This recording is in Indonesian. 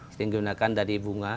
ini digunakan dari bunga